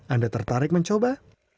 anda tertarik mencoba